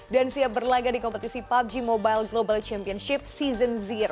dan siap berlagak di kompetisi pubg mobile global championship season